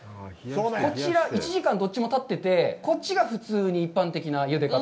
こちら、１時間、どっちもたってて、こっちが普通に一般的なゆで方。